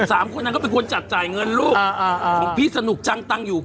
สามคนนั้นก็เป็นคนจัดจ่ายเงินลูก